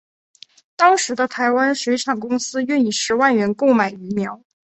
当时的台湾水产公司愿以十万元购买鱼苗。